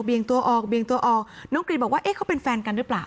ตัวออกเบี่ยงตัวออกน้องกรีนบอกว่าเอ๊ะเขาเป็นแฟนกันหรือเปล่า